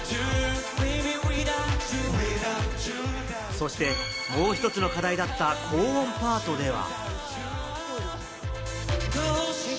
そして、もう１つの課題だった高音パートでは。